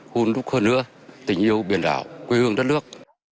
hôn đúc hơn nữa tình yêu biển đảo quê hương đất nước